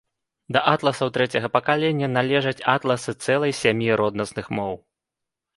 Да атласаў трэцяга пакалення належаць атласы цэлай сям'і роднасных моў.